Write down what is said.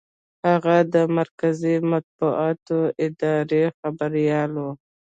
هغه د مرکزي مطبوعاتي ادارې خبریال و.